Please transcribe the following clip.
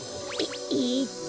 ええっと